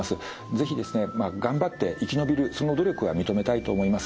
是非ですね頑張って生き延びるその努力は認めたいと思います。